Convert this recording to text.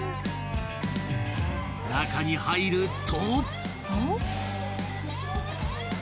［中に入ると］